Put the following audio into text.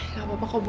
gak apa apa kok bu